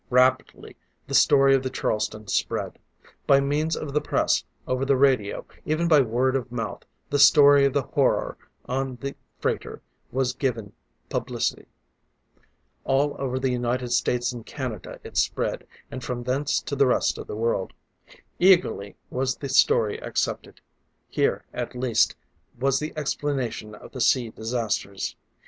Rapidly the story of the_ Charleston_ spread. By means of the press, over the radio, even by word of mouth, the story of the horror on the freighter was given publicity. All over the United States and Canada it spread, and from thence to the rest of the world. Eagerly was the story accepted: here, at last, was the explanation of the sea disasters!